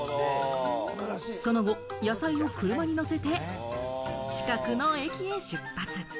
その後、野菜を車に載せて、近くの駅へ出発。